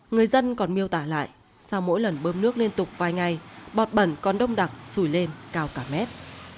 người dân còn miêu tả lại sau mỗi lần bơm nước liên tục vài ngày bọt bẩn còn đông đặc sủi lên cao cả mét